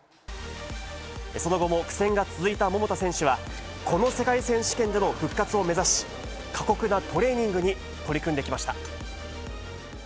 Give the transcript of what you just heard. その後も苦戦が続いた桃田選手は、この世界選手権での復活を目指し、過酷なトレーニングに取り組んできました。